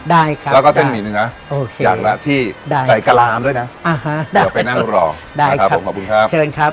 ได้ครับแล้วก็เส้นหมี่หนึ่งนะโอเคอย่างละที่ใจกลางด้วยนะอ่าฮะ